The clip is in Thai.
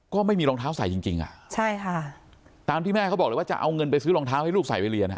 ก็ไม่มีรองเท้าใส่จริงจริงอ่ะใช่ค่ะตามที่แม่เขาบอกเลยว่าจะเอาเงินไปซื้อรองเท้าให้ลูกใส่ไปเรียนอ่ะ